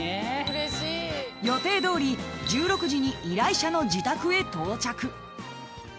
［予定どおり１６時に依頼者の自宅へ到着］